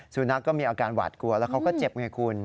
สุนัขก็มีอาการหวาดกลัวแล้วเขาก็เจ็บไงคุณ